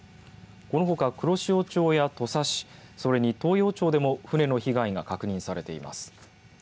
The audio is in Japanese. このほか、黒潮町や土佐市それに東洋町でも船の被害が確認されています。